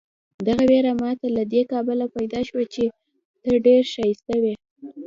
دغه وېره ماته له دې کبله پیدا شوه چې ته ډېر ښایسته وې.